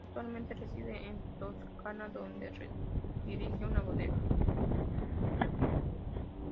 Actualmente reside en la Toscana, donde dirige una bodega.